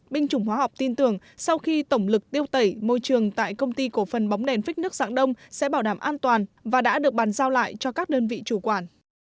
binh chủng hóa học tin tưởng sau khi tổng lực tiêu tẩy môi trường tại công ty cổ phần bóng đèn phích nước dạng đông sẽ bảo đảm an toàn và đã được bàn giao lại cho các đơn vị chủ quản